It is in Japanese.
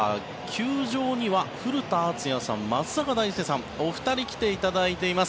球場には古田敦也さん、松坂大輔さんお二人来ていただいています。